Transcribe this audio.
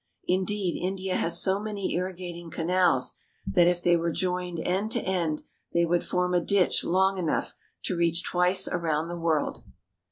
Indeed, India has so many irrigating canals, that if they were joined end to end, they would form a ditch long enough to reach twice around the world.